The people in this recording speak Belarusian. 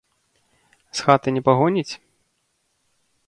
З хаты не пагоніць?